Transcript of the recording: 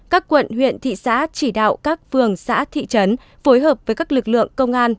các quận huyện thị xã chỉ đạo các phường xã thị trấn phối hợp với các lực lượng công an